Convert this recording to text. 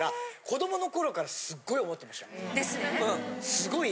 すごい。